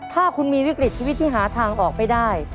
ถ้าคุณมีวิกฤตชีวิตที่หาทางออกไม่ได้